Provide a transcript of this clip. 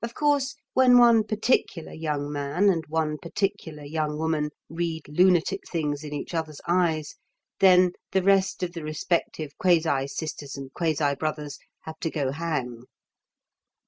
Of course, when one particular young man and one particular young woman read lunatic things in each other's eyes, then the rest of the respective quasi sisters and quasi brothers have to go hang.